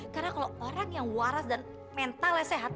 karena kalau orang yang waras dan mentalnya sehat